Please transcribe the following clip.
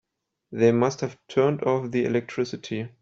They must have turned off the electricity.